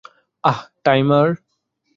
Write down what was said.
অ্যাঁহ, timer.